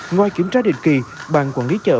ngoài kiểm tra định kỳ bàn quản lý chợ